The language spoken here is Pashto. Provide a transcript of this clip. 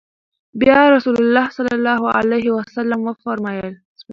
بيا رسول الله صلی الله عليه وسلم وفرمايل: